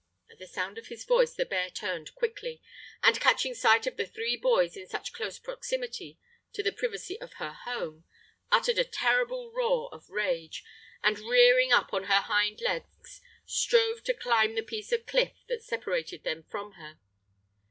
At the sound of his voice the bear turned quickly, and catching sight of the three boys in such close proximity to the privacy of her home, uttered a terrible roar of rage, and rearing up on her hind legs, strove to climb the piece of cliff that separated them from her.